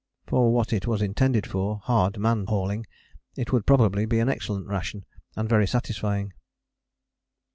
For what it was intended for, hard man hauling, it would probably be an excellent ration, and very satisfying.